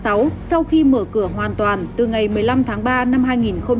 sau khi mở cửa hoàn toàn từ ngày một mươi năm tháng ba năm hai nghìn hai mươi